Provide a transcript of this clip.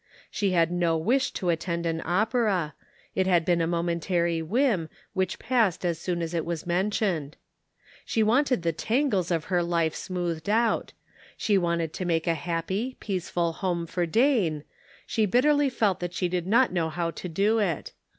She had no wish to attend an opera ; it had been a mo mentary whim, which passed as soon as it was mentioned. She wanted the tangles of her Conflicting Duties. 211 life smoothed out ; she wanted to make a happy, peaceful home for Dane ; she bitterly felt that she did not know how to do it.